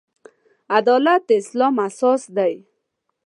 عدالت د اسلام اساس دی.